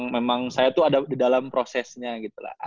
memang saya tuh ada di dalam prosesnya gitu lah